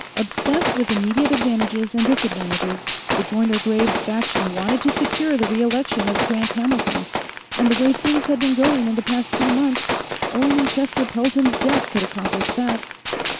Obsessed with immediate advantages and disadvantages, the Joyner Graves faction wanted to secure the re election of Grant Hamilton, and the way things had been going in the past two months, only Chester Pelton's death could accomplish that.